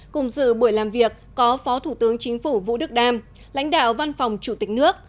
cùng dự buổi làm việc có phó thủ tướng chính phủ vũ đức đam lãnh đạo văn phòng chủ tịch nước